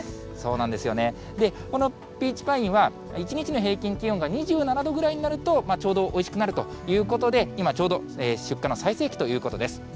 このピーチパインは、１日の平均気温が２７度ぐらいになるとちょうどおいしくなるということで、今、ちょうど出荷の最盛期ということです。